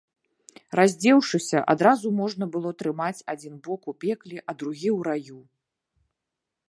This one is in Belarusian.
Раздзеўшыся, адразу можна было трымаць адзін бок у пекле, а другі ў раю.